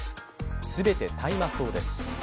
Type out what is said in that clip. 全て大麻草です。